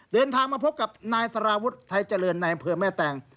เดินทางมาพบกับนายสารวุฒิไทยเจริญในอำเภอแม่แตง